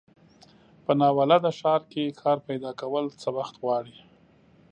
په ناولده ښار کې کار پیداکول څه وخت غواړي.